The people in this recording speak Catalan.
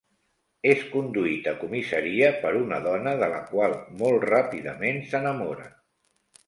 És conduït a comissaria per una dona de la qual molt ràpidament s'enamora.